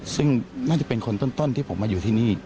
ซึ่งน่าจะเป็นคนต้นที่ผมมาอยู่ที่นี่